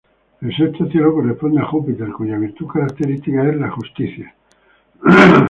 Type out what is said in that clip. El sexto cielo corresponde a Júpiter, cuya virtud característica es la justicia.